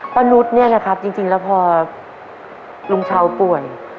นุษย์เนี่ยนะครับจริงแล้วพอลุงชาวป่วย